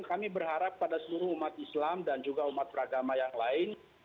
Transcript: kami berharap pada seluruh umat islam dan juga umat beragama yang lain